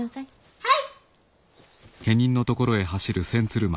はい！